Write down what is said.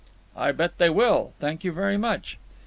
"I bet they will. Thank you very much."